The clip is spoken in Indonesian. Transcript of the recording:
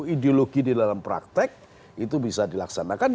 ideologi di dalam praktek itu bisa dilaksanakan